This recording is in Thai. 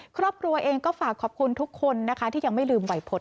ครอบครัวเองก็ฝากขอบคุณทุกคนที่ยังไม่ลืมไหวพฤทธิ์